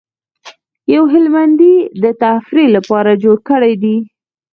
یو هلمندي د تفریح لپاره جوړ کړی دی.